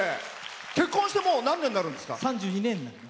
結婚してもう何年になるんですか？